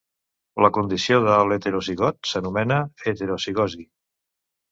La condició de l'heterozigot s'anomena heterozigosi.